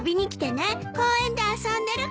公園で遊んでるから。